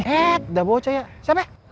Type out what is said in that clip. eh udah bocah ya siapa